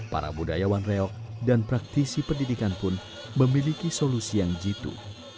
para budayawan reok dan praktisi pendidikan pun memiliki solusi yang jitu